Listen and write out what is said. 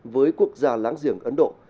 với quốc gia láng giềng ấn độ